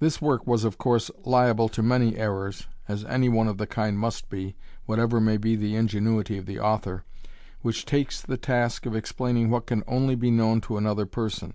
This work was, of course, liable to many errors, as any one of the kind must be, whatever may be the ingenuity of the author, which takes the task of explaining what can be only known to another person.